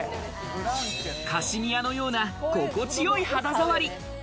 カシミアのような、心地よい肌触り。